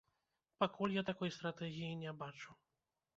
Пакуль я такой стратэгіі не бачу.